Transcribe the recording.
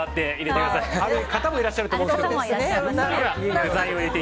ある方もいらっしゃると思うんですけどみんなは。